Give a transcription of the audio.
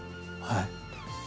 はい。